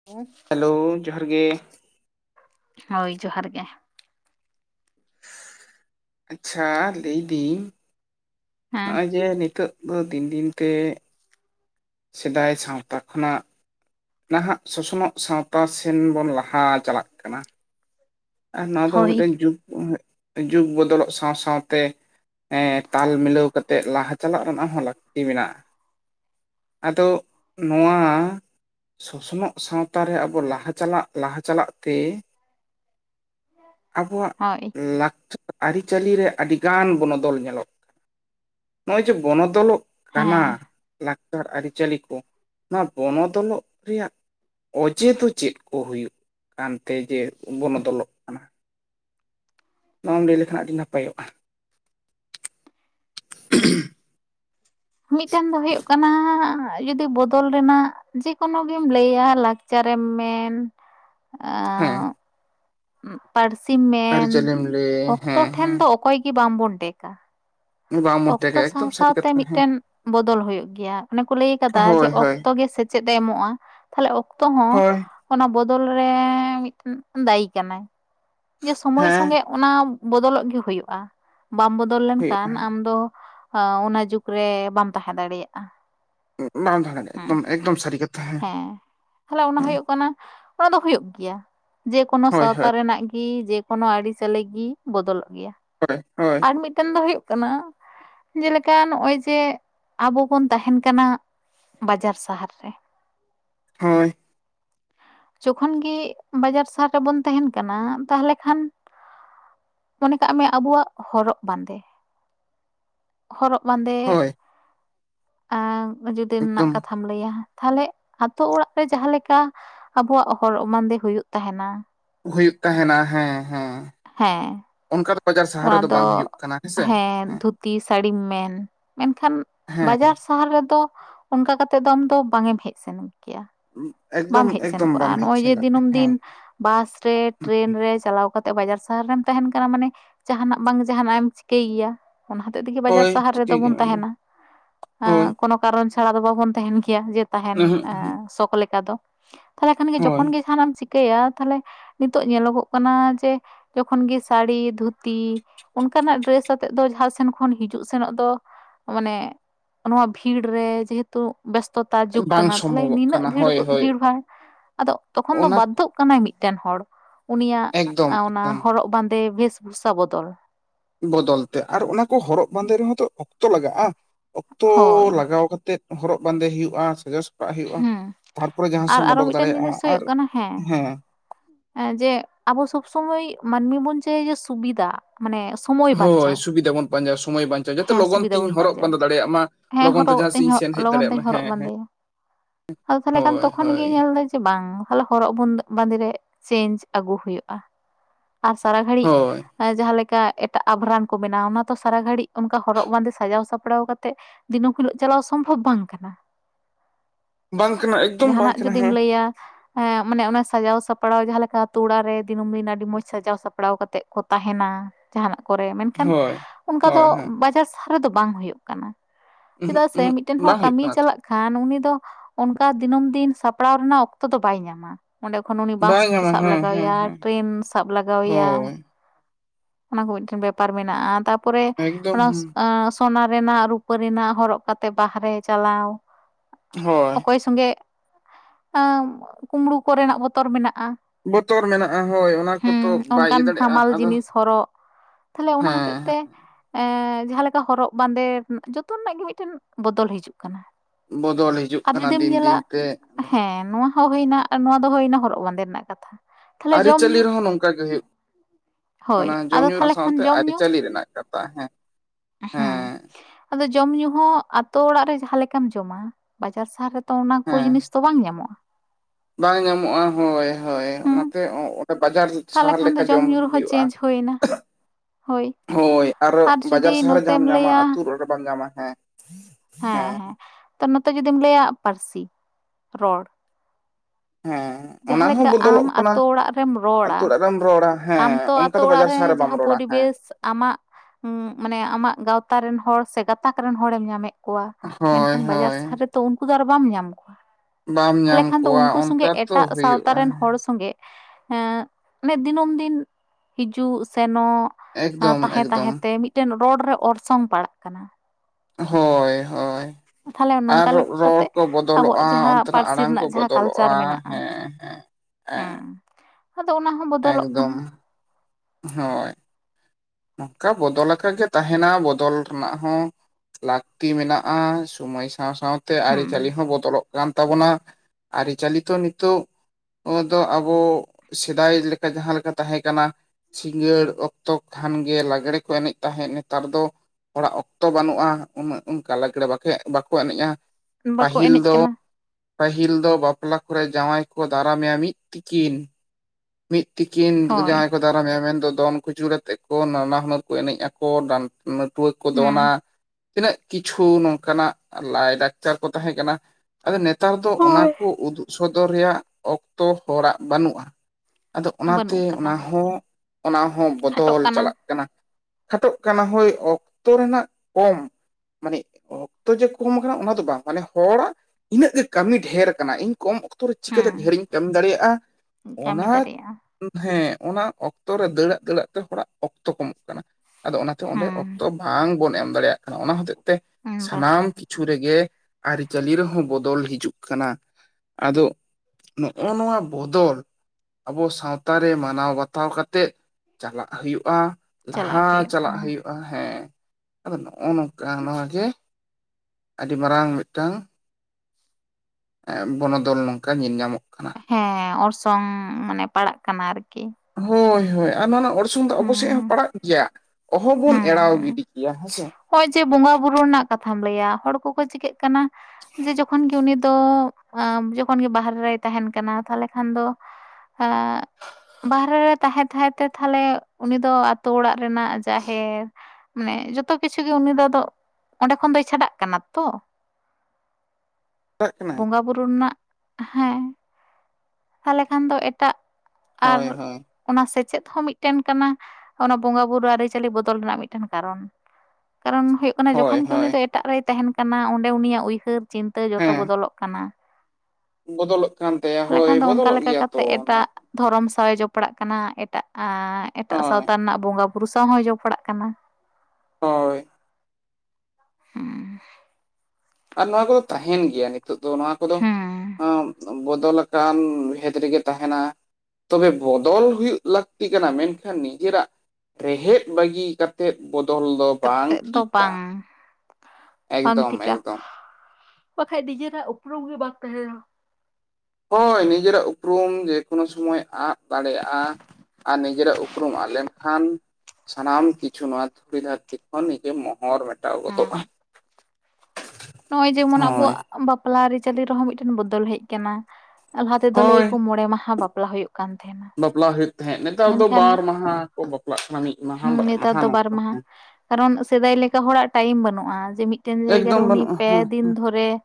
[inaudible] Hello ᱡᱚᱦᱟᱨ ᱜᱮ ᱦᱳᱭ ᱡᱚᱦᱟᱨ ᱜᱮ ᱟᱪᱪᱷᱟ ᱞᱟᱹᱭ ᱫᱤᱧ ᱦᱮᱸ ᱱᱚᱜᱼᱚᱭ ᱡᱮ ᱱᱤᱛᱚᱜ ᱫᱚ ᱫᱤᱱ ᱫᱤᱱ ᱛᱮ ᱥᱮᱫᱟᱭ ᱥᱟᱶᱛᱟ ᱠᱷᱚᱱᱟᱜ ᱱᱟᱦᱟᱜ ᱥᱚᱥᱚᱱᱚᱜ ᱥᱟᱶᱛᱟ ᱥᱮᱱ ᱵᱚᱱ ᱞᱟᱦᱟ ᱪᱟᱞᱟᱜ ᱠᱟᱱᱟ ᱟᱨ ᱱᱚᱣᱟ ᱫᱚ ᱦᱳᱭ ᱢᱤᱫᱴᱮᱱ ᱡᱩᱜᱽ ᱡᱩᱜᱽ ᱵᱚᱫᱚᱞᱚᱜ ᱥᱟᱶ ᱥᱟᱶᱛᱮ ᱦᱮᱸ ᱛᱟᱞ ᱢᱤᱞᱟᱹᱣ ᱠᱟᱛᱮᱜ ᱞᱟᱦᱟ ᱪᱟᱞᱟᱜ ᱨᱮᱱᱟᱜ ᱦᱚᱸ ᱞᱟᱹᱠᱛᱤ ᱢᱮᱱᱟᱜ-ᱟ ᱟᱫᱚ ᱱᱚᱣᱟ ᱥᱚᱥᱚᱱᱚᱜ ᱥᱟᱶᱛᱟᱨᱮ ᱟᱵᱚ ᱞᱟᱦᱟ ᱪᱟᱞᱟᱜ ᱞᱟᱦᱟ ᱪᱟᱞᱟᱜ ᱛᱮ ᱟᱵᱚᱣᱟᱜ ᱦᱳᱭ ᱞᱟᱠᱪᱟᱨ ᱟᱹᱨᱤᱪᱟᱹᱞᱤ ᱨᱮ ᱟᱹᱰᱤ ᱜᱟᱱ ᱵᱚᱱᱚᱫᱚᱞ ᱧᱮᱞᱚᱜ ᱾ ᱱᱚᱜᱼᱚᱭ ᱡᱮ ᱵᱚᱱᱚᱫᱚᱞᱚᱜ ᱠᱟᱱᱟ᱾ ᱦᱮᱸ ᱞᱟᱠᱪᱟᱨ ᱟᱹᱨᱤᱪᱟᱹᱞᱤ ᱠᱚ ᱱᱚᱣᱟ ᱵᱚᱱᱚᱫᱚᱞᱚᱜ ᱨᱮᱭᱟᱜ ᱚᱡᱮ ᱫᱚ ᱪᱮᱫ ᱠᱚ ᱦᱩᱭᱩᱜ ᱠᱟᱱᱛᱮ ᱡᱮ ᱫᱚᱞᱚᱜ ᱠᱟᱱᱟ ᱱᱚᱣᱟᱢ ᱞᱟᱹᱭ ᱞᱮᱠᱷᱟᱱ ᱟᱹᱰᱤ ᱱᱟᱯᱟᱭᱚᱜᱼᱟ᱾ [inaudible] ᱢᱤᱫᱴᱮᱱ ᱫᱚ ᱦᱩᱭᱩᱜ ᱠᱟᱱᱟ ᱡᱩᱫᱤ ᱵᱚᱫᱚᱞ ᱨᱮᱱᱟᱜ ᱡᱮᱠᱳᱱᱳ ᱜᱮᱢ ᱞᱟᱹᱭᱟ ᱞᱟᱠᱪᱟᱨᱮᱢ ᱢᱮᱱ ᱟ ᱦᱮᱸ ᱯᱟᱹᱨᱥᱤᱢ ᱢᱮᱱ ᱟᱹᱨᱤᱪᱟᱹᱞᱤᱢ ᱞᱟᱹᱭ ᱚᱠᱛᱚ ᱦᱮᱸ ᱴᱷᱮᱱ ᱦᱮᱸ ᱫᱚ ᱚᱠᱚᱭ ᱜᱮ ᱵᱟᱝᱵᱚᱱ ᱴᱮᱠᱟ᱾ ᱵᱟᱢ ᱢᱚᱱᱛᱮᱜᱮ ᱚᱠᱛᱚ ᱥᱟᱶ ᱮᱠᱫᱚᱢ ᱥᱟᱹᱨᱤ ᱥᱟᱶᱛᱮ ᱠᱟᱛᱷᱟ ᱦᱮᱸ ᱢᱤᱫᱴᱮᱱ ᱵᱚᱫᱚᱞ ᱦᱩᱭᱩᱜ ᱜᱮᱭᱟ᱾ ᱚᱱᱮᱠᱚ ᱞᱟᱹᱭ ᱠᱟᱫᱟ ᱡᱮ ᱦᱳᱭ ᱦᱳᱭ ᱚᱠᱛᱚ ᱜᱮ ᱥᱮᱪᱮᱫ ᱮ ᱮᱢᱚᱜᱼᱟ᱾ ᱛᱟᱦᱞᱮ ᱚᱠᱛᱚ ᱦᱚᱸ ᱦᱳᱭ ᱚᱱᱟ ᱵᱚᱫᱚᱞ ᱨᱮᱻ ᱢᱤᱫᱴᱮᱱ ᱫᱟᱭᱤ ᱠᱟᱱᱟᱭ᱾ ᱡᱮ ᱥᱚᱢᱚᱭ ᱦᱮᱸ ᱥᱚᱸᱜᱮ ᱚᱱᱟ ᱵᱚᱫᱚᱞᱚᱜ ᱜᱮ ᱦᱩᱭᱩᱜᱼᱟ᱾ ᱵᱟᱢ ᱵᱚᱫᱚᱞ ᱦᱩᱭᱩᱜᱼᱟ ᱞᱮᱱᱠᱷᱟᱱ ᱟᱢ ᱫᱚ ᱚᱱᱟ ᱡᱩᱜᱽ ᱨᱮ ᱵᱟᱢ ᱛᱟᱦᱮᱸ ᱫᱟᱲᱮᱭᱟᱜᱼᱟ᱾ ᱮᱸᱜ ᱵᱟᱢ ᱛᱟᱦᱮᱸ ᱦᱮᱸ ᱫᱟᱲᱮᱜᱼᱟ ᱮᱠᱫᱚᱢ ᱥᱟᱹᱨᱤ ᱠᱟᱛᱷᱟ᱾ ᱦᱮᱸ ᱛᱟᱦᱚᱞᱮ ᱚᱱᱟ ᱦᱩᱭᱩᱜ ᱠᱟᱱᱟ ᱚᱱᱟ ᱫᱚ ᱦᱩᱭᱩᱜ ᱜᱮᱭᱟ᱾ ᱡᱮᱠᱳᱱᱳ ᱦᱳᱭ ᱥᱟᱶᱛᱟ ᱦᱳᱭ ᱨᱮᱱᱟᱜ ᱜᱤ ᱡᱮᱠᱳᱱᱳ ᱟᱹᱨᱤᱪᱟᱹᱞᱤ ᱜᱤ ᱵᱚᱫᱚᱞᱚᱜ ᱜᱮᱭᱟ᱾ ᱦᱳᱭ ᱦᱳᱭ ᱟᱨ ᱢᱤᱫᱴᱮᱱ ᱫᱚ ᱦᱳᱭᱳᱜ ᱠᱟᱱᱟ ᱡᱮᱞᱮᱠᱟ ᱱᱚᱜᱼᱚᱭ ᱡᱮ ᱟᱵᱚ ᱵᱚᱱ ᱛᱟᱦᱮᱱ ᱠᱟᱱᱟ ᱵᱟᱡᱟᱨ ᱥᱟᱦᱟᱨ ᱨᱮ᱾ ᱦᱳᱭ ᱡᱚᱠᱷᱚᱱ ᱜᱮ ᱵᱟᱡᱟᱨ ᱥᱟᱦᱟᱨ ᱨᱮᱵᱚᱱ ᱛᱟᱦᱮᱱ ᱠᱟᱱᱟ ᱛᱟᱦᱞᱮ ᱠᱷᱟᱱ ᱢᱚᱱᱮ ᱠᱟᱜ ᱢᱮ ᱟᱵᱚᱣᱟᱜ ᱦᱚᱨᱚᱜ ᱵᱟᱸᱫᱮ ᱦᱚᱨᱚᱜ ᱵᱟᱸᱫᱮ, ᱦᱳᱭ ᱟ ᱡᱩᱫᱟᱹ ᱨᱮᱱᱟᱜ ᱮᱠᱫᱚᱢ ᱠᱟᱛᱷᱟ ᱮᱢ ᱞᱟᱹᱭᱟ ᱛᱟᱦᱚᱞᱮ ᱟᱛᱳ ᱚᱲᱟᱜ ᱨᱮ ᱡᱟᱦᱟᱸ ᱞᱮᱠᱟ ᱟᱵᱚᱣᱟᱜ ᱦᱚᱨᱚᱜ ᱵᱟᱸᱫᱮ ᱦᱩᱭᱩᱜ ᱛᱟᱦᱮᱱᱟ᱾ ᱦᱩᱭᱩᱜ ᱛᱟᱦᱮᱱᱟ ᱦᱮᱸ ᱦᱮᱸ᱾ ᱦᱮᱸ ᱚᱝᱠᱟ ᱫᱚ ᱵᱟᱡᱟᱨᱥ ᱚᱱᱟ ᱫᱚ ᱦᱮᱸ ᱫᱷᱩᱛᱤ, ᱥᱟᱹᱲᱤᱢ ᱢᱮᱱ ᱢᱮᱱᱠᱷᱟᱱ ᱦᱮᱸ ᱵᱟᱡᱟᱨ ᱥᱟᱦᱟᱨ ᱨᱮᱫᱚ ᱚᱝᱠᱟ ᱠᱟᱛᱮᱫ ᱫᱚ ᱟᱢ ᱫᱚ ᱵᱟᱝᱮᱢ ᱦᱮᱡ ᱥᱮᱱ ᱠᱮᱭᱟ᱾ ᱢᱤᱫᱽ ᱵᱟᱢ ᱦᱮᱡ ᱥᱮᱱ ᱠᱚᱜᱼᱟ᱾ ᱱᱚᱜ ᱚᱭ ᱡᱮ ᱫᱤᱱᱟᱹᱢ ᱫᱤᱱ ᱵᱟᱥᱨᱮ, ᱴᱨᱮᱱ ᱨᱮ ᱪᱟᱞᱟᱣ ᱠᱟᱛᱮᱜ ᱵᱟᱡᱟᱨ ᱥᱟᱦᱟᱨ ᱨᱮᱢ ᱛᱟᱦᱮᱱ ᱠᱟᱱᱟ᱾ ᱢᱟᱱᱮ ᱡᱟᱦᱟᱱᱟᱜ ᱵᱟᱝ ᱡᱟᱦᱟᱱᱟᱜ ᱮᱢ ᱪᱤᱠᱟᱹᱭ ᱜᱮᱭᱟ᱾ ᱚᱱᱟ ᱦᱚᱛᱮᱜ ᱛᱮᱜᱮ ᱵᱟᱡᱟᱨ ᱦᱳᱭ ᱥᱟᱦᱟᱨ ᱨᱮᱫᱚ ᱪᱤᱠᱟᱹᱭ ᱵᱚᱱ ᱜᱮᱭᱟᱢ ᱮᱠᱫᱚᱢ ᱛᱟᱦᱮᱱᱟ᱾ ᱦᱳᱭ ᱮᱸ ᱠᱚᱱᱠ ᱠᱟᱨᱚᱱ ᱪᱷᱟᱲᱟ ᱫᱚ ᱵᱟᱵᱚᱱ ᱛᱟᱦᱮᱱ ᱜᱮᱭᱟ ᱡᱮ ᱛᱟᱦᱮᱱ ᱩᱸᱦᱩᱜ ᱥᱚᱠ ᱞᱮᱠᱟ ᱫᱚ᱾ ᱛᱟᱦᱞᱮ ᱠᱷᱟᱱᱜᱮ ᱦᱳᱭ ᱡᱚᱠᱷᱚᱱ ᱜᱮ ᱡᱟᱦᱟᱱᱟᱜ ᱮᱢ ᱪᱤᱠᱟᱹᱭᱟ ᱛᱟᱦᱞᱮ ᱱᱤᱛᱚᱜ ᱧᱮᱞᱚᱜᱚᱜ ᱠᱟᱱᱟ ᱡᱮ ᱡᱚᱠᱷᱚᱱ ᱜᱮ ᱥᱟᱹᱲᱤ ᱫᱷᱩᱛᱤ ᱚᱱᱠᱟᱱᱟᱜ ᱰᱨᱮᱥ ᱟᱛᱮ ᱫᱚ ᱡᱟᱦᱟᱸ ᱥᱮᱱ ᱠᱷᱚᱱ ᱦᱤᱡᱩᱜ ᱥᱮᱱᱚᱜ ᱫᱚ ᱢᱟᱱᱮ ᱱᱚᱣᱟ ᱵᱷᱤᱲ ᱨᱮ ᱡᱮᱦᱮᱛᱩ ᱵᱮᱥᱛᱚᱛᱟ ᱡᱩᱜᱽ ᱵᱟᱝ ᱠᱟᱱᱟ᱾ ᱛᱟᱦᱚᱞᱮ ᱥᱚᱢᱵᱷᱚᱵᱚᱜ ᱱᱤᱱᱟᱹᱜ ᱠᱟᱱᱟ ᱵᱷᱤᱲ ᱦᱳᱭ ᱦᱳᱭ ᱵᱷᱤᱲ ᱵᱷᱟᱲ ᱟᱫᱚ ᱛᱚᱠᱷᱚᱱ ᱫᱚ ᱚᱱᱟ ᱠᱚ- ᱵᱟᱫᱷᱷᱚᱜ ᱠᱟᱱᱟᱭ ᱢᱤᱫᱴᱮᱱ ᱦᱚᱲ ᱩᱱᱤᱭᱟᱜ ᱮᱠᱫᱚᱢ ᱚᱱᱟ ᱮᱠᱫᱚᱢ ᱦᱚᱨᱚᱜ ᱵᱟᱸᱫᱮ ᱵᱷᱮᱥ ᱵᱷᱩᱥᱟ ᱵᱚᱫᱚᱞ ᱵᱚᱫᱚᱞ ᱛᱮ ᱟᱨ ᱚᱱᱟᱠᱚ ᱦᱚᱨᱚᱜ ᱵᱟᱸᱫᱮ ᱨᱮᱦᱚᱸ ᱛᱚ ᱚᱠᱛᱚ ᱞᱟᱜᱟᱜᱼᱟ᱾ ᱚᱠᱛᱚ ᱦᱳᱭ ᱞᱟᱜᱟᱣ ᱠᱟᱛᱮᱫ ᱦᱚᱨᱚᱜ ᱵᱟᱸᱫᱮ ᱦᱩᱭᱩᱜᱼᱟ ᱥᱟᱡᱚᱜ ᱥᱟᱜ ᱦᱩᱭᱩᱜᱼᱟ᱾ ᱦᱮᱸ ᱛᱟᱨᱯᱚᱨᱮ ᱡᱟᱦᱟᱸ ᱟᱨ ᱥᱮᱢ ᱮᱢ ᱟᱨᱚ ᱚᱰᱚᱠ ᱢᱤᱫᱴᱮᱱ ᱫᱟᱲᱮᱭᱟᱜᱼᱟ ᱟᱨ ᱦᱮᱸ ᱮᱸ ᱡᱮ ᱟᱵᱚ ᱥᱚᱵᱥᱚᱢᱚᱭ ᱢᱟᱹᱱᱢᱤ ᱵᱚᱱ ᱪᱟᱹᱭᱟ ᱡᱮ ᱥᱩᱵᱤᱫᱷᱟ ᱢᱟᱱᱮ ᱥᱩ ᱦᱳᱭ ᱥᱩᱵᱤᱫᱟ ᱵᱚᱱ ᱯᱟᱸᱡᱟᱭᱟ᱾ ᱥᱚᱢᱚᱭ ᱵᱟᱧᱪᱟᱜ ᱡᱟᱛᱮ ᱦᱮᱸ ᱞᱚᱜᱚᱱ ᱥᱩᱵᱤᱫᱷᱟ ᱛᱤᱧ ᱵᱚᱱ ᱦᱚᱨᱚᱜ ᱵᱟᱸᱫᱮ ᱯᱟᱸᱡᱟᱭᱟ ᱫᱟᱲᱮᱭᱟᱜ ᱢᱟ᱾ ᱦᱮᱸ ᱞᱚᱜᱚᱱ ᱛᱮ ᱦᱚᱨᱚᱜᱚᱜ ᱡᱟᱦᱟᱸ ᱥᱮᱫ ᱛᱮᱧ ᱤᱧ ᱥᱮᱱ ᱦᱮᱡ ᱞᱚᱜᱚᱱ ᱫᱟᱲᱮᱭᱟᱜ ᱢᱟ ᱫᱚᱧ ᱦᱚᱨᱚᱜ ᱦᱮᱸ ᱦᱮᱸ ᱵᱟᱸᱫᱮᱭᱟ᱾ ᱟᱫᱚ ᱛᱟᱦᱚᱞᱮ ᱠᱷᱟᱱ ᱦᱳᱭ ᱛᱚᱠᱷᱚᱱ ᱜᱮ ᱦᱳᱭ ᱧᱮᱞ ᱫᱟ ᱡᱮ ᱥᱮ ᱵᱟᱝ ᱦᱚᱞᱚ ᱦᱚᱨᱚᱜᱸ ᱵᱚᱱᱫ ᱵᱟᱸᱫᱮ ᱨᱮ ᱪᱮᱧᱡᱽ ᱟᱜᱩ ᱦᱩᱭᱩᱜᱼᱟ᱾ ᱟᱨ ᱥᱟᱨᱟ ᱜᱷᱟᱹᱲᱤᱡ ᱦᱳᱭ ᱡᱟᱦᱟᱸ ᱞᱮᱠᱟ ᱮᱴᱟᱜ ᱟᱵᱷᱨᱟᱱ ᱠᱚ ᱢᱮᱱᱟ᱾ ᱚᱱᱟ ᱫᱚ ᱥᱟᱨᱟ ᱜᱷᱟᱹᱲᱤᱡ ᱚᱱᱠᱟ ᱦᱚᱨᱚᱜ ᱵᱟᱸᱫᱮ ᱥᱟᱡᱟᱣ ᱥᱟᱯᱲᱟᱣ ᱠᱟᱛᱮᱫ ᱫᱤᱱᱟᱹᱢ ᱦᱤᱞᱳᱜ ᱪᱟᱞᱟᱣ ᱥᱚᱢᱵᱷᱚᱵ ᱵᱟᱝ ᱠᱟᱱᱟ ᱵᱟᱝ ᱠᱟᱱᱟ ᱮᱠᱫᱚᱢ ᱵᱟᱝ ᱠᱟᱱᱟ ᱦᱮᱸ [unintelligible] ᱮᱸᱜ, ᱢᱟᱱᱮ ᱚᱱᱟ ᱥᱟᱡᱟᱣ ᱥᱟᱯᱲᱟᱣ ᱡᱟᱦᱟᱸ ᱞᱮᱠᱟ ᱟᱛᱩ ᱚᱲᱟᱜ ᱨᱮ ᱫᱤᱱᱟᱹᱢ ᱫᱤᱱ ᱟᱹᱰᱤ ᱢᱚᱸᱡᱽ ᱥᱟᱡᱟᱣ ᱥᱟᱯᱲᱟᱣ ᱠᱟᱛᱮ ᱠᱚ ᱛᱟᱦᱮᱱᱟ ᱡᱟᱦᱟᱱᱟᱜ ᱠᱚᱨᱮ ᱢᱮᱱᱠᱷᱟᱱ ᱚᱱᱠᱟ ᱫᱚ ᱦᱮᱸ, ᱵᱟᱡᱟᱨ ᱥᱟᱨᱮ ᱫᱚ ᱵᱟᱝ ᱦᱩᱭᱩᱜ ᱠᱟᱱᱟ, ᱩᱸᱦᱩᱜ, ᱪᱮᱫᱟᱜ ᱥᱮ ᱩᱸᱦᱩᱜ ᱢᱤᱫᱴᱮᱱ ᱦᱚᱲ ᱵᱟᱝ ᱦᱩᱭᱩᱜ ᱠᱟᱹᱢᱤᱭ ᱠᱟᱱᱟ ᱛᱚ᱾ ᱪᱟᱞᱟᱜ ᱠᱷᱟᱱ ᱩᱱᱤ ᱫᱚ ᱚᱱᱠᱟ ᱫᱤᱱᱟᱹᱢ ᱫᱤᱱ ᱥᱟᱯᱲᱟᱣ ᱨᱮᱱᱟᱜ ᱚᱠᱛᱚ ᱫᱚ ᱵᱟᱭ ᱧᱟᱢᱟ᱾ ᱚᱸᱰᱮ ᱠᱷᱚᱱ ᱩᱱᱤ ᱵᱟᱥ ᱵᱟᱭ ᱧᱟᱢᱟ ᱥᱟᱵ ᱦᱮᱸ ᱦᱮᱸ ᱞᱟᱜᱟᱣᱟᱭᱟ ᱦᱮᱸ ᱴᱨᱮᱱ ᱥᱟᱵ ᱞᱟᱜᱟᱣᱮᱭᱟ ᱦᱳᱭ ᱚᱱᱟ ᱠᱚ ᱢᱤᱫᱴᱮᱱ ᱵᱮᱯᱟᱨ ᱢᱮᱱᱟᱜᱼᱟ ᱛᱟᱨᱯᱚᱨᱮ ᱮᱠᱫᱚᱢ ᱚᱱᱟ ᱦᱮᱸ ᱮᱸᱻ ᱥᱚᱱᱟ ᱨᱮᱱᱟᱜ, ᱨᱩᱯᱟᱹ ᱨᱮᱱᱟᱜ ᱦᱚᱨᱚᱜ ᱠᱟᱛᱮ ᱵᱟᱦᱨᱮ ᱪᱟᱞᱟᱣ ᱦᱳᱭ᱾ ᱚᱠᱚᱭ ᱥᱚᱸᱜᱮ [unintelligible] ᱠᱩᱢᱲᱩ ᱠᱚ ᱨᱮᱱᱟᱜ ᱵᱚᱛᱚᱨ ᱢᱮᱱᱟᱜᱼᱟ ᱵᱚᱛᱚᱨ ᱢᱮᱱᱟᱜᱼᱟ ᱦᱳᱭ ᱚᱱᱟ ᱠᱚᱛᱚ ᱦᱮᱸ ᱵᱟᱭ ᱤᱭᱟᱹ ᱚᱱᱠᱟᱱ ᱫᱟᱲᱮᱭᱟᱜᱼᱟ ᱦᱟᱢᱟᱞ ᱟᱫᱚ ᱡᱤᱱᱤᱥ ᱦᱚᱨᱚᱜ ᱛᱟᱦᱞᱮ ᱚᱱᱟ ᱦᱮᱸ ᱦᱚᱛᱮᱜ ᱛᱮ ᱦᱮᱸ ᱮᱸ ᱡᱟᱦᱟᱸ ᱞᱮᱠᱟ ᱦᱚᱨᱚᱜ ᱵᱟᱸᱫᱮ ᱡᱚᱛᱚ ᱨᱮᱱᱟᱜ ᱜᱮ ᱢᱤᱫᱴᱮᱱ ᱵᱚᱫᱚᱞ ᱦᱤᱡᱩᱜ ᱠᱟᱱᱟ ᱵᱚᱫᱚᱞ ᱦᱤᱡᱩᱜ ᱟᱨ ᱠᱟᱱᱟ ᱡᱩᱫᱤᱢ ᱫᱤᱱ ᱧᱮᱞᱟ ᱫᱤᱱᱛᱮ᱾ ᱦᱮᱸ ᱱᱚᱣᱟ ᱦᱚᱸ ᱦᱩᱭᱱᱟ ᱱᱚᱣᱟ ᱫᱚ ᱦᱩᱭᱮᱱᱟ ᱦᱚᱨᱚᱜ ᱵᱟᱸᱫᱮ ᱨᱮᱱᱟᱜ ᱠᱟᱛᱷᱟ ᱛᱟᱦᱞᱮ ᱡᱚᱢ ᱟᱹᱨᱤ-ᱪᱟᱹᱞᱤ ᱧᱩ ᱨᱮᱦᱚᱸ ᱱᱚᱝᱠᱟ ᱜᱮ ᱦᱩᱭᱩᱜ ᱦᱳᱭ ᱠᱟᱱᱟ᱾ ᱚᱱᱟ ᱡᱚᱢ ᱟᱫᱚ ᱧᱩ ᱛᱟᱦᱞᱮ ᱠᱷᱟᱱ ᱥᱟᱶᱛᱮ ᱡᱚᱢ ᱟᱹᱨᱤ-ᱪᱟᱹᱞᱤ ᱨᱮᱱᱟᱜ ᱠᱟᱛᱷᱟ ᱦᱮᱸ ᱦᱩᱸ, ᱦᱮᱸ ᱟᱫᱚ ᱡᱚᱢ ᱧᱩ ᱦᱚᱸ ᱟᱛᱳ ᱚᱲᱟᱜ ᱨᱮ ᱡᱟᱦᱟᱸ ᱞᱮᱠᱟᱢ ᱡᱚᱢᱟ ᱵᱟᱡᱟᱨ ᱥᱟᱦᱟᱨ ᱨᱮ ᱛᱚ ᱚᱱᱟ ᱠᱚ ᱦᱮᱸ᱾ ᱡᱤᱱᱤᱥ ᱫᱚ ᱵᱟᱝ ᱧᱟᱢᱚᱜᱼᱟ᱾ ᱵᱟᱝ ᱧᱟᱢᱚᱜᱼᱟ, ᱦᱳᱭ ᱦᱳᱭ ᱦᱮᱸ ᱚᱱᱟᱛᱮ ᱵᱟᱡᱟᱨ ᱛᱟᱦᱞᱮ ᱥᱟᱦᱟᱨ ᱠᱷᱟᱱ ᱫᱚ ᱞᱮᱠᱟ ᱡᱚᱢ ᱧᱩ ᱨᱮᱦᱚᱸ ᱦᱩᱭᱩᱜᱼᱟ᱾ ᱪᱮᱧᱡᱽ ᱦᱩᱭᱱᱟ ᱦᱳᱭ ᱦᱳᱭ ᱟᱨ ᱵᱟᱡᱟᱨ ᱡᱩᱫᱤ ᱥᱟᱦᱟᱨ ᱨᱮ ᱱᱚᱛᱮᱢ ᱡᱟᱦᱟᱸᱢ ᱧᱟᱢᱟ ᱞᱟᱹᱭᱟ ᱟᱹᱛᱩ ᱚᱲᱟᱜ ᱨᱮ ᱵᱟᱢ ᱧᱟᱢᱟ ᱦᱮᱸ ᱦᱮᱸ ᱦᱮᱸ ᱛᱚ ᱱᱚᱛᱮ ᱡᱩᱫᱤᱢ ᱞᱟᱹᱭᱟ ᱯᱟᱹᱨᱥᱤ ᱨᱚᱲ ᱦᱮᱸ ᱚᱱᱟ ᱡᱟᱦᱟᱸ ᱦᱚᱸ ᱞᱮᱠᱟ ᱟᱢ ᱵᱚᱫᱚᱞᱚᱜ ᱠᱟᱱᱟ ᱟᱛᱳ ᱚᱲᱟᱜ ᱨᱮᱢ ᱟᱛᱩ ᱨᱚᱲᱟ ᱚᱲᱟᱜ ᱨᱮᱢ ᱨᱚᱲᱟ ᱟᱢ ᱦᱮᱸ ᱛᱚ ᱚᱱᱠᱟ ᱟᱛᱳ ᱫᱚ ᱚᱲᱟᱜ ᱵᱟᱡᱟᱨ ᱥᱚᱦᱚᱨ ᱨᱮ ᱵᱟᱢ ᱡᱟᱦᱟᱸ ᱨᱚᱲᱟ ᱦᱮᱸ ᱯᱚᱨᱤᱵᱮᱥ ᱟᱢᱟᱜ ᱢᱟᱱᱮ ᱟᱢᱟᱜ ᱜᱟᱶᱛᱟ ᱨᱮᱱ ᱦᱚᱲ ᱥᱮ ᱜᱟᱛᱟᱠ ᱨᱮᱱ ᱦᱚᱲᱮᱢ ᱧᱟᱢᱮᱫ, ᱠᱚᱣᱟ ᱦᱳᱭ ᱢᱮᱱᱠᱷᱟᱱ ᱵᱟᱡᱟᱨ ᱦᱳᱭ ᱥᱟᱦᱟᱨ ᱨᱮᱛᱚ ᱩᱱᱠᱩ ᱫᱚ ᱟᱨ ᱵᱟᱢ ᱧᱟᱢ ᱠᱚᱣᱟ᱾ ᱵᱟᱢ ᱛᱟᱦᱞᱮ ᱧᱟᱢ ᱠᱷᱟᱱ ᱫᱚ ᱠᱚᱣᱟ ᱩᱱᱠᱩ ᱥᱚᱸᱜᱮ ᱚᱱᱠᱟ ᱛᱚ ᱮᱴᱟᱜ ᱥᱟᱶᱛᱟ ᱦᱩᱭᱩᱜᱼᱟ ᱨᱮᱱ ᱦᱚᱲ ᱥᱚᱸᱜᱮ ᱮᱸᱜ, ᱩᱱᱟᱹᱜ ᱫᱤᱱᱟᱹᱢ ᱫᱤᱱ ᱦᱤᱡᱩᱜ ᱥᱮᱱᱚᱜ ᱮᱠᱫᱚᱢ ᱛᱟᱦᱮᱸ ᱮᱠᱫᱚᱢ ᱛᱟᱦᱮᱸᱛᱮ ᱢᱤᱫᱴᱮᱱ ᱨᱚᱲ ᱨᱮ ᱚᱨᱥᱚᱝ ᱯᱟᱲᱟᱜ ᱠᱟᱱᱟ ᱦᱳᱭ ᱦᱳᱭ ᱛᱟᱦᱚᱞᱮ ᱱᱚᱝᱠᱟ ᱟᱨ ᱞᱮᱠᱟ ᱨᱚᱲ ᱠᱟᱛᱮᱜ ᱠᱚ ᱟᱵᱚᱣᱟᱜ ᱵᱚᱫᱚᱞᱚᱜᱼᱟ ᱡᱟᱦᱟᱸ ᱚᱱᱛᱮᱱᱟᱜ ᱯᱟᱹᱨᱥᱤ ᱟᱲᱟᱝ ᱠᱚ ᱨᱮᱱᱟᱜ ᱡᱟᱦᱟᱸ ᱠᱟᱞᱪᱟᱨ ᱵᱚᱫᱚᱞᱚᱜᱼᱟ ᱢᱮᱱᱟᱜᱼᱟ ᱦᱮᱸ ᱦᱮᱸ ᱮᱸ ᱦᱮᱸ ᱟᱫᱚ ᱚᱱᱟ ᱦᱚᱸ ᱵᱚᱫᱚᱞᱚᱜ ᱠᱟᱱᱟ᱾ ᱦᱳᱭ ᱱᱚᱝᱠᱟ ᱵᱚᱫᱚᱞ ᱟᱠᱟ ᱜᱮ ᱛᱟᱦᱮᱱᱟ ᱵᱚᱫᱚᱞ ᱨᱮᱱᱟᱜ ᱦᱚᱸ᱾ ᱞᱟᱹᱠᱛᱤ ᱢᱮᱱᱟᱜᱼᱟ ᱥᱩᱢᱚᱭ ᱥᱟᱶ ᱥᱟᱶᱛᱮ ᱟᱹᱨᱤᱪᱟᱹᱞᱤ ᱦᱮᱸ ᱦᱚᱸ ᱵᱚᱫᱚᱞᱚᱜ ᱠᱟᱱᱟ‍‍᱾ ᱠᱟᱱ ᱛᱟᱵᱚᱱᱟ ᱟᱹᱨᱤᱪᱟᱹᱞᱤ ᱛᱚ ᱱᱤᱛᱚᱜ ᱱᱚᱣᱟ ᱫᱚ ᱟᱵᱚ ᱥᱮᱫᱟᱭ ᱞᱮᱠᱟ ᱡᱟᱦᱟᱸ ᱞᱮᱠᱟ ᱛᱟᱦᱮᱸ ᱠᱟᱱᱟ ᱥᱤᱸᱜᱟᱹᱲ ᱚᱠᱛᱚ ᱠᱷᱟᱱ ᱜᱮ ᱞᱟᱜᱽᱲᱮ ᱠᱚ ᱮᱱᱮᱡ ᱛᱟᱦᱮᱸᱫ ᱱᱮᱛᱟᱨ ᱫᱚ ᱦᱚᱲᱟᱜ ᱚᱠᱛᱚ ᱵᱟᱹᱱᱩᱜᱼᱟ ᱩᱱᱟᱹᱜ ᱚᱱᱠᱟ ᱞᱟᱜᱽᱲᱮ ᱵᱟ ᱵᱟᱠᱚ ᱮᱱᱮᱡᱼᱟ ᱵᱟᱠᱚ ᱯᱟᱹᱦᱤᱞ ᱮᱱᱮᱡ ᱫᱚ ᱠᱟᱱᱟ ᱯᱟᱹᱦᱤᱞ ᱫᱚ ᱵᱟᱯᱞᱟ ᱠᱚᱨᱮ ᱡᱟᱶᱟᱭ ᱠᱚ ᱫᱟᱨᱟᱢᱮᱭᱟ ᱢᱤᱫ ᱛᱤᱠᱤᱱ ᱢᱤᱫ ᱛᱤᱠᱤᱱ ᱦᱳᱭ ᱡᱟᱣᱟᱭ ᱠᱚ ᱫᱟᱨᱟᱢᱭᱟ ᱢᱮᱱᱫᱚ ᱫᱚᱱ ᱠᱷᱩᱪᱩᱨᱛᱮᱫ ᱱᱟᱱᱟ ᱦᱩᱱᱟᱹᱨ ᱠᱚ ᱮᱱᱮᱡ ᱟᱠᱚ, ᱰᱟᱱ ᱱᱟᱹᱴᱩᱣᱟᱹ ᱠᱚ ᱦᱮᱸ ᱫᱚᱱᱟ ᱛᱤᱱᱟᱹᱜ ᱠᱤᱪᱷᱩ ᱱᱚᱝᱠᱟᱱᱟᱜ ᱞᱟᱭᱼᱞᱟᱠᱪᱟᱨ ᱠᱚ ᱛᱟᱦᱮᱸ ᱠᱟᱱᱟ᱾ ᱟᱫᱚ ᱱᱮᱛᱟᱨ ᱫᱚ ᱚᱱᱟ ᱦᱳᱭ ᱠᱚ ᱩᱫᱩᱜ ᱥᱚᱫᱚᱨ ᱨᱮᱭᱟᱜ ᱚᱠᱛᱚ ᱦᱚᱲᱟᱜ ᱵᱟᱹᱱᱩᱜᱼᱟ᱾ ᱟᱫᱚ ᱚᱱᱟᱛᱮ ᱵᱟᱹᱱᱩᱜ ᱟᱠᱟᱫᱟ ᱚᱱᱟ ᱦᱚᱸ ᱚᱱᱟᱦᱚ ᱵᱚᱫᱚᱞ ᱪᱟᱞᱟᱜ ᱠᱟᱱᱟ, ᱠᱷᱟᱴᱚᱜ ᱠᱟᱱᱟ ᱦᱳᱭ ᱚᱠᱛᱚ ᱨᱮᱱᱟᱜ ᱠᱚᱢ ᱢᱟᱱᱮ ᱚᱠᱛᱚ ᱡᱮ ᱠᱚᱢ ᱠᱟᱱᱟ ᱚᱱᱟ ᱫᱚ ᱵᱟᱝ ᱢᱟᱱᱮ ᱦᱚᱲᱟᱜ ᱤᱱᱟᱹᱜ ᱜᱮ ᱠᱟᱹᱢᱤ ᱰᱷᱮᱨ ᱟᱠᱟᱱᱟ ᱤᱧ ᱠᱚᱢ ᱚᱠᱛᱚ᱾ ᱚᱠᱛᱚ ᱨᱮ ᱪᱤᱠᱟᱹᱛᱮ ᱦᱮᱸ ᱰᱷᱮᱨᱤᱧ ᱠᱟᱹᱢᱤ ᱫᱟᱲᱮᱭᱟᱜᱼᱟ ᱠᱟᱹᱢᱤ ᱚᱱᱟ᱾ ᱫᱟᱲᱮᱭᱟᱜᱼᱟ ᱦᱮᱸ ᱚᱱᱟ ᱚᱠᱛᱚ ᱨᱮ ᱫᱟᱹᱲᱟᱜ ᱫᱟᱹᱲᱟᱜ ᱛᱮ ᱦᱚᱲᱟᱜ ᱚᱠᱛᱚ ᱠᱚ ᱠᱚᱢᱚᱜ ᱠᱟᱱᱟ᱾ ᱟᱫᱚ ᱚᱱᱟᱛᱮ ᱚᱸᱰᱮ ᱚᱠᱛᱚ ᱵᱟᱝ ᱵᱚᱱ ᱮᱢ ᱫᱟᱲᱮᱭᱟᱜ ᱠᱟᱱᱟ ᱚᱱᱟ ᱦᱚᱛᱮᱡ ᱛᱮ ᱦᱮᱸ ᱵᱟ ᱥᱟᱱᱟᱢ᱾ ᱠᱤᱪᱷᱩ ᱨᱮᱜᱮ ᱟᱹᱨᱤᱪᱟᱹᱞᱤ ᱨᱮᱦᱚᱸ ᱵᱚᱫᱚᱞ ᱦᱤᱡᱩᱜ ᱠᱟᱱᱟ ᱟᱫᱚ᱾ ᱱᱚᱜᱼᱚ ᱱᱚᱣᱟ ᱵᱚᱫᱚᱞ᱾ ᱟᱵᱚ ᱥᱟᱶᱛᱟ ᱨᱮ ᱢᱟᱱᱟᱣ ᱵᱟᱛᱟᱣ ᱠᱟᱛᱮᱫ ᱪᱟᱞᱟᱜ ᱦᱩᱭᱩᱜᱼᱟ᱾ ᱞᱟᱦᱟ ᱪᱟᱞᱟᱜ ᱦᱩᱭᱩᱜᱼᱟ᱾ ᱦᱮᱸ ᱟᱫᱚ ᱱᱚᱜᱼᱚ ᱱᱚᱝᱠᱟ ᱱᱚᱣᱟ ᱜᱮ ᱟᱹᱰᱤ ᱢᱟᱨᱟᱝ ᱢᱤᱫᱴᱟᱝ ᱵᱚᱱᱚᱫᱚᱞ ᱱᱚᱝᱠᱟ ᱧᱮᱞ ᱧᱟᱢᱚᱜ ᱠᱟᱱᱟ᱾ ᱦᱮᱸ ᱚᱨᱥᱚᱝ ᱢᱟᱱᱮ ᱯᱟᱲᱟᱜ ᱠᱟᱱᱟ ᱟᱨᱠᱤ᱾ ᱦᱳᱭ ᱦᱳᱭ ᱟᱨ ᱱᱚᱣᱟ ᱨᱮᱱᱟᱜ ᱚᱲᱥᱚᱝ ᱫᱚ ᱟᱵᱚ ᱥᱮᱫ ᱦᱚᱸ ᱦᱮᱸ ᱯᱟᱲᱟᱜ ᱜᱮᱭᱟ‍‍᱾ ᱚᱦᱚ ᱵᱚᱱ ᱮᱲᱟᱣ ᱦᱮᱸ ᱜᱤᱰᱤ ᱠᱮᱭᱟ ᱦᱮᱸᱥᱮ᱾ ᱱᱚᱜᱼᱚᱭ ᱡᱮ ᱵᱚᱸᱜᱟ ᱵᱩᱨᱩ ᱨᱮᱱᱟᱜ ᱠᱟᱛᱷᱟᱢ ᱞᱟᱹᱭᱟ ᱦᱚᱲ ᱠᱚᱠᱚ ᱪᱤᱠᱟᱹᱜ ᱠᱟᱱᱟ᱾ ᱡᱮ ᱡᱚᱠᱷᱚᱱ ᱜᱮ ᱩᱱᱤ ᱫᱚ ᱡᱚᱠᱷᱚᱱ ᱜᱮ ᱵᱟᱦᱨᱮ ᱨᱮᱭ ᱛᱟᱦᱮᱸᱱ ᱠᱟᱱᱟ ᱛᱟᱦᱚᱞᱮ ᱠᱷᱟᱱ ᱫᱚ᱾ ᱦᱟᱸᱻ ᱵᱟᱦᱨᱮ ᱨᱮ ᱛᱟᱦᱮᱸ ᱛᱟᱦᱮᱸ ᱛᱮ ᱛᱟᱦᱞᱮ ᱩᱱᱤ ᱫᱚ ᱟᱛᱳ ᱚᱲᱟᱜ ᱨᱮᱱᱟᱜ ᱡᱟᱦᱮᱨ᱾ ᱢᱟᱱᱮ ᱡᱚᱛᱚ᱾ ᱠᱤᱪᱷᱩ ᱜᱮ ᱩᱱᱤ ᱫᱚ ᱟ ᱚᱸᱰᱮ ᱠᱷᱚᱱ ᱫᱚᱭ ᱪᱷᱟᱰᱟᱜ ᱠᱟᱱᱟ ᱛᱚ᱾ ᱪᱟᱜ ᱠᱟᱱᱟᱭ ᱵᱚᱸᱜᱟ ᱵᱩᱨᱩ ᱨᱮᱱᱟᱜ ᱦᱮᱸ ᱛᱟᱦᱞᱮ ᱠᱷᱟᱱ ᱫᱚ ᱮᱴᱟᱜ ᱟᱨ ᱦᱳᱭ ᱦᱳᱭ ᱚᱱᱟ ᱥᱮᱪᱮᱫ ᱦᱚᱸ ᱢᱤᱫᱴᱮᱱ ᱠᱟᱱᱟ ᱚᱱᱟ ᱵᱚᱸᱜᱟ ᱵᱩᱨᱩ ᱟᱹᱨᱤᱪᱟᱹᱞᱤ ᱵᱚᱫᱚᱞ ᱨᱮᱱᱟᱜ ᱢᱤᱫᱴᱮᱱ ᱠᱟᱨᱚᱱ᱾ ᱠᱟᱨᱚᱱ ᱦᱳᱭᱳᱜ ᱠᱟᱱᱟ ᱦᱳᱭ ᱡᱚᱠᱷᱚᱱ ᱜᱮ ᱩᱱᱤ ᱦᱳᱭ ᱫᱚ ᱮᱴᱟᱜ ᱨᱮᱭ ᱛᱟᱦᱮᱸᱱ ᱠᱟᱱᱟ ᱚᱸᱰᱮ ᱩᱱᱤᱭᱟᱜ ᱩᱭᱦᱟᱹᱨ ᱪᱤᱱᱛᱟᱹ ᱡᱚᱛᱚ ᱦᱮᱸ ᱵᱚᱫᱚᱞᱚᱜ ᱠᱟᱱᱟ᱾ ᱵᱚᱫᱚᱞᱚᱜ ᱠᱟᱱ ᱛᱟᱭᱟ ᱛᱟᱦᱚᱞᱮ ᱦᱳᱭ ᱠᱷᱟᱱ ᱫᱚ ᱚᱱᱠᱟ ᱵᱚᱫᱚᱞᱚᱜ ᱞᱮᱠᱟ ᱜᱮᱭᱟ ᱛᱚ ᱠᱟᱛᱮᱜ ᱱᱚᱣᱟ᱾ ᱮᱴᱟᱜ ᱫᱷᱚᱨᱚᱢ ᱥᱟᱶ ᱮ ᱡᱚᱯᱲᱟᱜ ᱠᱟᱱᱟ ᱮᱴᱟᱜ ᱮᱴᱟᱜ ᱦᱳᱭ ᱥᱟᱶᱛᱟ ᱨᱮᱱᱟᱜ ᱵᱚᱸᱜᱟ ᱵᱩᱨᱩ ᱥᱟᱶ ᱦᱚᱸᱭ ᱡᱚᱯᱲᱟᱜ ᱠᱟᱱᱟ᱾ ᱦᱳᱭ ᱦᱩᱸ ᱟᱨ ᱱᱚᱣᱟ ᱠᱚᱫᱚ ᱛᱟᱦᱮᱱ ᱜᱮᱭᱟ ᱱᱤᱛᱚᱜ ᱫᱚ ᱱᱚᱣᱟ ᱠᱚᱫᱚ᱾ ᱦᱮᱸ ᱵᱚᱫᱚᱞ ᱟᱠᱟᱱ ᱵᱷᱮᱫ ᱨᱮᱜᱮ ᱛᱟᱦᱮᱱᱟ᱾ ᱛᱚᱵᱮ ᱵᱚᱫᱚᱞ ᱦᱩᱭᱩᱜ ᱞᱟᱹᱠᱛᱤ ᱠᱟᱱᱟ ᱢᱮᱱᱠᱷᱟᱱ ᱱᱤᱡᱮᱨᱟᱜ᱾ ᱨᱮᱦᱮᱫ ᱵᱟᱹᱜᱤ ᱠᱟᱛᱮᱫ ᱵᱚᱫᱚᱞ ᱫᱚ ᱵᱟᱝ ᱛᱮᱫ ᱫᱚ ᱴᱷᱤᱠᱟ᱾ ᱵᱟᱝ ᱵᱟᱝ ᱮᱠᱫᱚᱢ ᱴᱷᱤᱠᱟ ᱮᱠᱫᱚᱢ ᱵᱟᱠᱷᱟᱡ ᱱᱤᱡᱮᱨᱟᱜ ᱩᱯᱨᱩᱢ ᱜᱮ ᱵᱟᱝ ᱛᱟᱦᱮᱱᱟ᱾ ᱦᱳᱭ ᱱᱤᱡᱮᱨᱟᱜ ᱩᱯᱨᱩᱢ ᱡᱮᱠᱳᱱᱳ ᱥᱚᱢᱚᱭ ᱟᱜ ᱫᱟᱲᱮᱭᱟᱜᱼᱟ᱾ ᱟᱨ ᱱᱤᱡᱮᱨᱟᱜ ᱩᱯᱨᱩᱢ ᱟᱜ ᱞᱮᱱᱠᱷᱟᱱ ᱥᱟᱱᱟᱢ ᱠᱤᱪᱷᱩ ᱱᱚᱣᱟ ᱫᱷᱩᱲᱤ ᱫᱷᱟᱹᱨᱛᱤ ᱠᱷᱚᱱ ᱱᱤᱡᱮ ᱢᱚᱦᱚᱨ ᱢᱮᱴᱟᱣ ᱜᱚᱫᱚᱜᱼᱟ᱾ ᱱᱚᱜᱼᱚᱭ ᱡᱮᱢᱚᱱ ᱦᱳᱭ ᱟᱵᱚᱣᱟᱜ ᱵᱟᱯᱞᱟ ᱟᱹᱨᱤᱪᱟᱹᱞᱤ ᱨᱮᱦᱚᱸ ᱢᱤᱫᱴᱮᱱ ᱵᱚᱫᱚᱞ ᱦᱮᱡ ᱟᱠᱟᱱᱟ᱾ ᱟᱨ ᱞᱟᱦᱟ ᱛᱮᱫᱚ ᱦᱳᱭ ᱞᱟᱹᱭᱟᱠᱚ ᱢᱚᱬᱮ ᱢᱟᱦᱟ ᱵᱟᱯᱞᱟ ᱦᱩᱭᱩᱜ ᱠᱟᱱ ᱛᱟᱦᱮᱸᱱᱟ᱾ ᱵᱟᱯᱞᱟ ᱦᱩᱭᱩᱜ ᱛᱟᱦᱮᱸᱫ ᱱᱮᱛᱟᱨ ᱫᱚ ᱵᱟᱨ ᱢᱟᱦᱟ ᱠᱚ ᱵᱟᱯᱞᱟᱜ ᱠᱟᱱᱟ ᱢᱤᱫ ᱢᱟᱦᱟ, ᱦᱩᱸ ᱵᱟᱨ ᱱᱮᱛᱟᱨ ᱢᱟᱦᱟ ᱫᱚ ᱵᱟᱨ ᱱᱚᱝᱠᱟ ᱢᱟᱦᱟ ᱦᱚᱸ ᱠᱟᱨᱚᱱ ᱥᱮᱫᱟᱭ ᱞᱮᱠᱟ ᱦᱚᱲᱟᱜ ᱴᱟᱭᱤᱢ ᱵᱟᱹᱱᱩᱜᱼᱟ ᱡᱮ ᱢᱤᱫᱴᱮᱱ ᱡᱟᱭᱜᱟ ᱨᱮ ᱮᱠᱫᱚᱢ ᱩᱱᱤ ᱵᱟᱹᱱᱩᱜᱼᱟ ᱯᱮ ᱦᱮᱸ ᱫᱤᱱ ᱫᱷᱚᱨᱮ᱾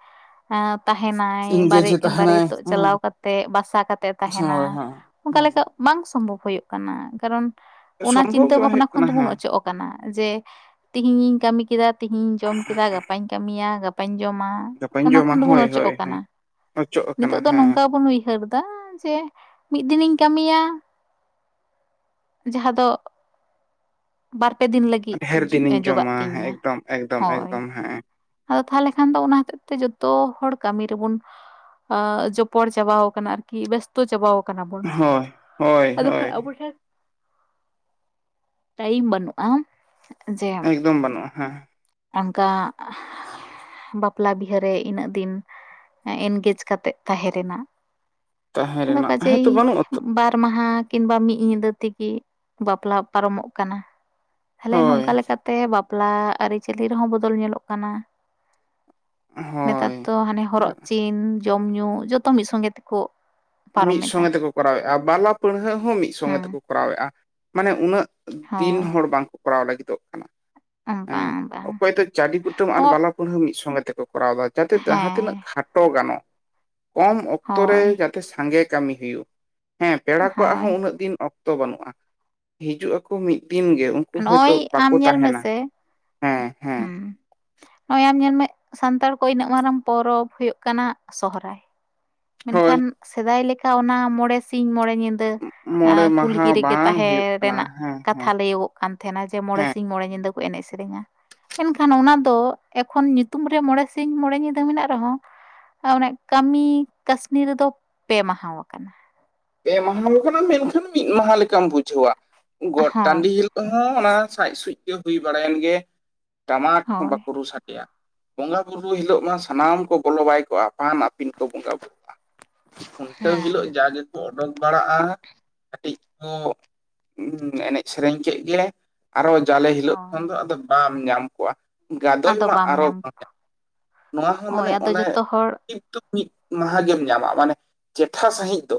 ᱛᱟᱦᱮᱱᱟᱭ ᱵᱟᱨᱮ ᱤᱝᱜᱮᱡᱮ ᱛᱟᱦᱮᱱᱟᱭ ᱵᱟᱨᱭᱮᱛᱚᱜ ᱪᱟᱞᱟᱣ ᱠᱟᱛᱮᱜ ᱵᱟᱥᱟ ᱠᱟᱛᱮᱜ ᱦᱮᱸ ᱦᱳᱭ ᱛᱟᱦᱮᱸᱱᱟ ᱦᱮᱸ ᱚᱱᱠᱟ ᱦᱮᱸ ᱞᱮᱠᱟ᱾ ᱵᱟᱝ ᱥᱚᱢᱵᱷᱚᱵ ᱦᱩᱭᱩᱜ ᱠᱟᱱᱟ ᱠᱟᱨᱚᱱ ᱚᱱᱟ ᱥᱚᱢᱵᱷᱚᱵ ᱪᱤᱱᱛᱟᱹ ᱜᱮ ᱵᱟᱝ ᱵᱷᱟᱵᱱᱟ ᱦᱩᱭᱩᱜ ᱠᱷᱚᱱ ᱠᱟᱱᱟ ᱫᱚᱵᱚᱱ ᱦᱮᱸ ᱚᱪᱚᱜ ᱠᱟᱱᱟ ᱡᱮ ᱛᱮᱦᱤᱧ ᱤᱧ ᱠᱟᱹᱢᱤ ᱠᱮᱫᱟ ᱛᱤᱦᱤᱧ ᱡᱚᱢ ᱠᱮᱫᱟ ᱜᱟᱯᱟᱧ ᱠᱟᱹᱢᱤᱭᱟ ᱜᱟᱯᱟᱧ ᱡᱚᱢᱟ᱾ ᱜᱟᱯᱟᱧ ᱚᱱᱟ ᱡᱚᱢᱟ ᱠᱷᱚᱱ ᱦᱳᱭ ᱫᱚᱵᱚᱱ ᱦᱳᱭ ᱚᱪᱚᱜ ᱦᱮᱸ ᱠᱟᱱᱟ ᱚᱪᱚᱜ ᱟᱠᱟᱱᱟ ᱱᱤᱛᱳᱜ ᱫᱚ ᱦᱮᱸ ᱱᱚᱝᱠᱟ ᱵᱚᱱ ᱩᱭᱦᱟᱹᱨ ᱮᱫᱟ ᱫᱟ ᱡᱮ ᱢᱤᱫ ᱫᱤᱱᱤᱧ ᱠᱟᱹᱢᱤᱭᱟ᱾ ᱡᱟᱦᱟᱸ ᱫᱚ ᱵᱟᱨᱯᱮ ᱫᱤᱱ ᱞᱟᱹᱜᱤᱫ ᱰᱷᱮᱨ ᱫᱤᱱᱤᱧ ᱡᱚᱜᱟᱜ ᱡᱚᱢᱟ ᱦᱮᱸ ᱛᱤᱧᱢᱟ ᱮᱠᱫᱚᱢ ᱮᱠᱫᱚᱢ ᱦᱳᱭ ᱮᱠᱫᱚᱢ ᱦᱮᱸ ᱟᱫᱚ ᱛᱟᱦᱞᱮ ᱠᱷᱟᱱ ᱫᱚ ᱚᱱᱟ ᱦᱚᱛᱮᱜ ᱛᱮ ᱡᱚᱛᱚ ᱦᱚᱲ ᱠᱟᱹᱢᱤ ᱨᱮᱵᱚᱱ᱾ ᱮᱸ, ᱡᱚᱯᱚᱲ ᱪᱟᱵᱟᱣ ᱠᱟᱱᱟ ᱟᱨ ᱠᱤ ᱵᱮᱥᱛᱚ ᱪᱟᱵᱟᱣ ᱠᱟᱱᱟ ᱵᱚᱱ ᱦᱳᱭ ᱦᱳᱭ ᱟᱫᱚ ᱦᱳᱭ ᱠᱷᱟᱱ ᱟᱵᱚ ᱴᱷᱮᱱ᱾ ᱴᱟᱭᱤᱢ ᱵᱟᱹᱱᱩᱜᱼᱟ ᱡᱮ ᱮᱠᱫᱚᱢ ᱵᱟᱹᱱᱩᱜᱼᱟ ᱦᱮᱸ ᱚᱱᱠᱟ [unintelligible] ᱵᱟᱯᱞᱟ ᱵᱤᱦᱟᱹᱨᱮ ᱤᱱᱟᱹᱜ ᱫᱤᱱ ᱮᱱᱜᱮᱡᱽ ᱠᱟᱛᱮᱜ ᱛᱟᱦᱮᱸ ᱨᱮᱱᱟᱜ ᱛᱟᱦᱮᱸ ᱟᱫᱚ ᱨᱮᱱᱟᱜ ᱠᱟᱡᱮᱭ ᱦᱮᱸᱛᱚ ᱵᱟᱹᱱᱩᱜ ᱟᱛᱚ ᱵᱟᱨ ᱢᱟᱦᱟ ᱠᱤᱝᱵᱟ ᱢᱤᱫ ᱧᱤᱫᱟᱹ ᱛᱮᱜᱮ ᱵᱟᱯᱞᱟ ᱯᱟᱨᱚᱢᱚᱜ ᱠᱟᱱᱟ᱾ ᱛᱟᱦᱚᱞᱮ ᱦᱳᱭ ᱱᱚᱝᱠᱟ ᱞᱮᱠᱟᱛᱮ ᱛᱮ ᱵᱟᱯᱞᱟ ᱟᱹᱨᱤᱪᱟᱹᱞᱤ ᱨᱮᱦᱚᱸ ᱵᱚᱫᱚᱞ ᱧᱮᱞᱚᱜ ᱠᱟᱱᱟ᱾ ᱱᱮᱛᱟᱨ ᱦᱳᱭ ᱫᱚ ᱦᱟᱱᱮ ᱦᱚᱨᱚᱜ ᱪᱤᱱ ᱡᱚᱢ ᱧᱩ ᱡᱚᱛᱚ ᱢᱤᱫ ᱥᱚᱝᱜᱮ ᱛᱮᱠᱚ ᱯᱟᱨᱚᱢ ᱢᱤᱫ ᱮᱫᱟ ᱥᱚᱸᱜᱮ ᱛᱮᱠᱚ ᱠᱚᱨᱟᱣᱮᱫ-ᱟ ᱵᱟᱞᱟ ᱯᱟᱹᱲᱦᱟᱹᱜ ᱦᱚᱸ ᱢᱤᱫ ᱥᱚᱸᱜᱮ ᱦᱮᱸ ᱛᱮᱠᱚ ᱠᱚᱨᱟᱣᱮᱫ-ᱟ ᱢᱟᱱᱮ ᱩᱱᱟᱹᱜ ᱫᱤᱱ ᱦᱳᱭ ᱦᱚᱲ ᱵᱟᱝᱠᱚ ᱠᱚᱨᱟᱣ ᱞᱟᱹᱜᱤᱫᱚᱜ ᱠᱟᱱᱟ᱾ ᱦᱮᱸ ᱵᱟᱝ ᱵᱟᱝ ᱚᱠᱚᱭ ᱫᱚ ᱪᱟᱹᱰᱤ ᱠᱩᱴᱟᱹᱢ ᱟᱨ ᱱᱚᱣᱟ ᱵᱟᱞᱟ ᱯᱟᱹᱲᱦᱟᱹ ᱢᱤᱫ ᱥᱚᱸᱜᱮ ᱛᱮᱠᱚ ᱠᱚᱨᱟᱣ ᱮᱫᱟ ᱡᱟᱛᱮ ᱡᱟᱦᱟᱸ ᱛᱤᱱᱟᱹᱜ ᱦᱮᱸ ᱠᱷᱟᱴᱚ ᱜᱟᱱᱚᱜ ᱠᱚᱢ ᱚᱠᱛᱚ ᱨᱮ ᱦᱳᱭ ᱡᱟᱛᱮ ᱥᱟᱸᱜᱮ ᱠᱟᱹᱢᱤ ᱦᱩᱭᱩᱜ ᱦᱮᱸ ᱯᱮᱲᱟ ᱠᱚᱣᱟᱜ ᱦᱚᱸ ᱦᱳᱭ ᱩᱱᱟᱹᱜ ᱫᱤᱱ ᱚᱠᱛᱚ ᱚᱛᱚ ᱵᱟᱹᱱᱩᱜ-ᱟ ᱦᱤᱡᱩᱜ ᱟᱠᱚ ᱢᱤᱫ ᱫᱤᱱ ᱜᱮ ᱩᱱᱠᱩ ᱦᱚᱭᱛᱳ ᱱᱚᱜᱼᱚᱭ ᱵᱟᱠᱚ ᱛᱟᱦᱮᱱᱟ᱾ ᱦᱮᱸ ᱦᱮᱸ ᱱᱚᱜᱚᱭ ᱧᱮᱞ ᱢᱮ ᱥᱟᱱᱛᱟᱲ ᱠᱚᱣᱟᱜ ᱤᱱᱟᱹᱜ ᱢᱟᱨᱟᱝ ᱯᱚᱨᱚᱵᱽ ᱦᱩᱭᱩᱜ ᱠᱟᱱᱟ ᱥᱚᱦᱨᱟᱭ᱾ ᱢᱮᱱᱠᱷᱟᱱ ᱦᱳᱭ ᱥᱮᱫᱟᱭ ᱞᱮᱠᱟ ᱚᱱᱟ ᱢᱚᱬᱮ ᱥᱤᱧ ᱢᱚᱬᱮ ᱧᱤᱫᱟᱹ ᱢᱚᱬᱮ ᱠᱩᱞᱦᱤ ᱢᱟᱦᱟ ᱨᱮᱜᱮ ᱵᱟᱝ ᱛᱟᱦᱮᱸ ᱦᱩᱭᱩᱜ ᱠᱟᱱᱟ ᱨᱮᱱᱟᱜ ᱦᱮᱸ ᱦᱮᱸ ᱠᱟᱛᱷᱟ ᱞᱟᱹᱭᱟᱹᱜᱚᱜ ᱠᱟᱱ ᱛᱟᱦᱮᱱᱟ ᱡᱮ ᱢᱚᱬᱮ ᱦᱮᱸ ᱥᱤᱧ ᱢᱚᱬᱮ ᱧᱤᱫᱟᱹ ᱠᱚ ᱮᱱᱮᱡ ᱥᱮᱨᱮᱧᱟ᱾ ᱢᱮᱱᱠᱷᱟᱱ ᱚᱱᱟ ᱫᱚ ᱮᱠᱷᱚᱱ ᱧᱩᱛᱩᱢ ᱨᱮ ᱢᱚᱬᱮ ᱥᱤᱧ ᱢᱚᱬᱮ ᱧᱤᱫᱟᱹ ᱢᱮᱱᱟᱜ ᱨᱮᱦᱚᱸ ᱚᱱᱮ ᱠᱟᱹᱢᱤ, ᱠᱟᱹᱥᱱᱤ ᱨᱮᱫᱚ ᱯᱮ ᱢᱟᱦᱟᱣ ᱟᱠᱟᱱᱟ᱾ ᱯᱮ ᱢᱟᱦᱟ ᱠᱟᱱᱟ ᱢᱮᱱᱠᱷᱟᱱ ᱢᱤᱫ ᱢᱟᱦᱟ ᱞᱮᱠᱟᱢ ᱵᱩᱡᱷᱟᱹᱣᱟ ᱜᱚᱴ ᱦᱳᱭ ᱴᱟᱺᱰᱤ ᱦᱤᱞ ᱦᱚᱸ ᱚᱱᱟ ᱥᱟᱡᱽ ᱥᱩᱡᱽ ᱜᱮ ᱦᱩᱭ ᱵᱟᱲᱟᱭᱮᱱ ᱜᱮ ᱴᱟᱢᱟᱠ ᱦᱚᱸ ᱦᱳᱭ ᱵᱟᱠᱚ ᱨᱩ ᱥᱟᱰᱮᱭᱟ᱾ ᱵᱚᱸᱜᱟ ᱵᱩᱨᱩ ᱦᱤᱞᱳᱜ ᱢᱟ ᱥᱟᱱᱟᱢ ᱠᱚ ᱵᱚᱞᱚ ᱵᱟᱭ ᱠᱚᱜᱼᱟ ᱟᱯᱟᱱ ᱟᱯᱤᱱ᱾ ᱟᱯᱤᱱ ᱠᱚ ᱵᱚᱸᱜᱟ ᱵᱩᱨᱩᱜ-ᱟ ᱠᱷᱩᱱᱴᱟᱹᱣ ᱦᱮᱸ ᱦᱤᱞᱳᱜ ᱡᱟᱜᱮ ᱠᱚ ᱚᱰᱳᱠ ᱵᱟᱲᱟᱜ-ᱟ ᱠᱟᱹᱴᱤᱡ ᱠᱚ ᱮᱱᱮᱡ ᱥᱮᱨᱮᱧ ᱠᱮᱫ ᱜᱮ᱾ ᱟᱨᱚ ᱡᱟᱞᱮ ᱦᱤᱞᱳᱜ ᱦᱳᱭ ᱠᱷᱚᱱ ᱫᱚ ᱟᱫᱚ ᱵᱟᱢ ᱧᱟᱢ ᱠᱚᱣᱟ ᱜᱟᱫᱚᱭ ᱟᱫᱚ ᱢᱟ ᱵᱟᱢ ᱟᱨᱚ ᱧᱟᱢ ᱵᱟᱝᱟ, ᱱᱚᱣᱟ ᱦᱚᱸ ᱦᱳᱭ ᱢᱟᱱᱮ ᱟᱫᱚ ᱚᱱᱮ ᱡᱚᱛᱚ ᱦᱚᱲ ᱢᱤᱫ ᱜᱮᱢ ᱧᱟᱢᱟ ᱢᱟᱱᱮ ᱪᱮᱴᱷᱟ ᱥᱟᱺᱦᱤᱡ ᱫᱚ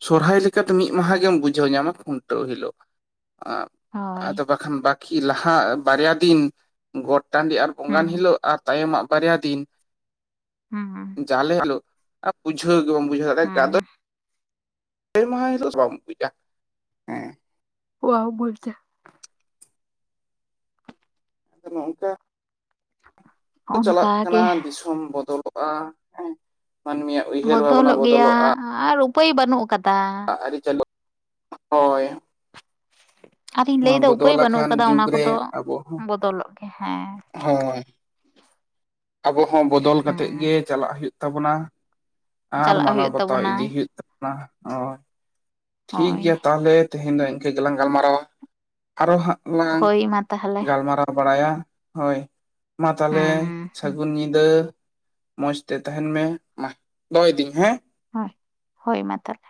ᱥᱚᱨᱦᱟᱭ ᱞᱮᱠᱟᱫᱚ ᱢᱤᱫ ᱢᱟᱦᱟ ᱜᱮᱢ ᱵᱩᱡᱷᱟᱹᱣ ᱧᱟᱢᱟ, ᱠᱷᱩᱱᱴᱟᱹᱣ ᱦᱤᱞᱳᱜ᱾ ᱦᱳᱭ ᱟᱫᱚ ᱠᱷᱟᱱ ᱵᱟᱠᱤ ᱞᱟᱦᱟ ᱵᱟᱨᱭᱟ ᱫᱤᱱ ᱜᱚᱴ ᱴᱟᱺᱰᱤ ᱟᱨ ᱵᱚᱸᱜᱟᱱ ᱦᱩᱸ ᱦᱤᱞᱳᱜ ᱟᱨ ᱛᱟᱭᱚᱢᱟᱜ ᱵᱟᱨᱭᱟ ᱫᱤᱱ ᱦᱩᱸ ᱡᱟᱞᱮ ᱦᱤᱞᱚᱜ ᱵᱩᱡᱟᱹᱣ ᱜᱮ ᱵᱟᱢ ᱵᱩᱡᱷᱟᱹᱣ ᱦᱩᱸ ᱯᱮ ᱢᱟᱦᱟ ᱦᱤᱞᱳᱜ ᱫᱚ ᱵᱟᱢ ᱵᱩᱡᱟ᱾ ᱦᱮᱸ ᱵᱟᱢ ᱵᱩᱡᱽᱫᱟ᱾ ᱟᱫᱚ ᱱᱚᱝᱠᱟ ᱚᱱᱠᱟ ᱪᱟᱞᱟᱜ ᱜᱮ ᱠᱟᱱᱟ ᱫᱤᱥᱚᱢ ᱵᱚᱫᱚᱞᱚᱜᱼᱟ ᱢᱟᱹᱱᱢᱤᱭᱟᱜ᱾ ᱩᱭᱦᱟᱹᱨ ᱵᱷᱟᱵᱽᱱᱟ ᱵᱚᱫᱚᱞᱚᱜ ᱜᱮᱭᱟ ᱵᱚᱫᱚᱞᱚᱜᱼᱟ ᱟᱨ ᱩᱯᱟᱹᱭ ᱵᱟᱹᱱᱩᱜ ᱟᱠᱟᱫᱟ᱾ ᱦᱳᱭ ᱟᱨᱤᱧ ᱱᱚᱣᱟ ᱞᱟᱹᱭᱫᱟ ᱩᱯᱟᱹᱭ ᱵᱚᱫᱚᱞ ᱵᱟᱹᱱᱩᱜ ᱟᱠᱟᱱ ᱠᱟᱫᱟ ᱚᱱᱟ ᱡᱩᱜᱽ ᱨᱮ ᱠᱚᱫᱚ ᱟᱵᱚ ᱦᱚᱸ ᱵᱚᱫᱚᱞᱚᱜ ᱜᱮ ᱦᱮᱸ᱾ ᱦᱳᱭ ᱟᱵᱚ ᱦᱚᱸ ᱵᱚᱫᱚᱞ ᱠᱟᱛᱮᱜ ᱦᱮᱸ ᱜᱮ ᱪᱟᱞᱟᱜ ᱦᱩᱭᱩᱜ ᱛᱟᱵᱚᱱᱟ᱾ ᱟᱨ ᱪᱟᱞᱟᱜ ᱢᱟᱱᱟᱣ ᱦᱩᱭᱩᱜ ᱵᱟᱛᱟᱣ ᱛᱟᱵᱚᱱᱟ ᱤᱫᱤ ᱦᱩᱭᱩᱜ ᱛᱟᱵᱚᱱᱟ ᱦᱳᱭ᱾ ᱴᱷᱤᱠ ᱦᱳᱭ ᱜᱮᱭᱟ ᱛᱟᱦᱚᱞᱮ ᱛᱮᱦᱮᱧ ᱫᱚ ᱤᱱᱠᱟᱹ ᱜᱮᱞᱟᱝ ᱜᱟᱞᱢᱟᱨᱟᱣᱟ᱾ ᱟᱨᱚ ᱦᱟᱸᱜ ᱞᱟᱝ ᱦᱳᱭ ᱢᱟ ᱛᱟᱦᱚᱞᱮ ᱜᱟᱞᱢᱟᱨᱟᱣ ᱵᱟᱲᱟᱭᱟ ᱦᱳᱭ᱾ ᱢᱟ ᱛᱟᱦᱚᱞᱮ ᱦᱩᱸ ᱥᱟᱹᱜᱩᱱ ᱧᱤᱫᱟᱹ᱾ ᱢᱚᱸᱡᱽ ᱛᱮ ᱛᱟᱦᱮᱱ ᱢᱮ ᱢᱟ ᱫᱚᱦᱚᱭᱫᱟᱹᱧ ᱦᱮᱸ᱾ ᱦᱳᱭ ᱦᱳᱭ ᱢᱟ ᱛᱟᱦᱞᱮ᱾